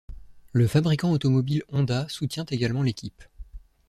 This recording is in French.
Le fabricant automobile Honda soutient également l'équipe.